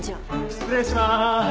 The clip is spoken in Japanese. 失礼します。